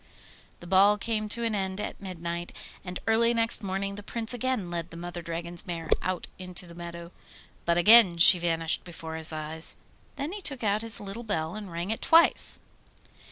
The ball came to an end at midnight, and early next morning the Prince again led the Mother Dragon's mare out into the meadow. But again she vanished before his eyes. Then he took out his little bell and rang it twice.